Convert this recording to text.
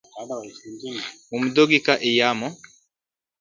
Umdhogi ka iyamo